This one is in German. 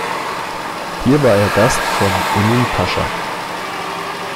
Hier war er Gast von Emin Pascha.